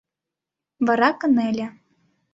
Вара кынеле.